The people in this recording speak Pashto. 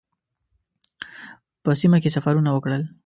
په سیمه کې سفرونه وکړل.